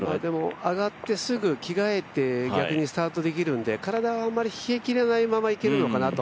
上がってすぐ着替えて逆にスタートできるんで、体はあんまり冷え切らないままいけるのかなと。